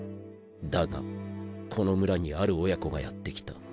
だがこの村にある親子がやってきた。